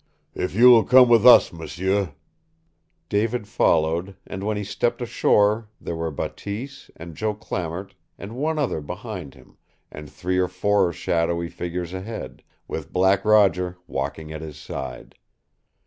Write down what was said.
"If you will come with us, m'sieu " David followed, and when he stepped ashore there were Bateese, and Joe Clamart and one other behind him, and three or four shadowy figures ahead, with Black Roger walking at his side.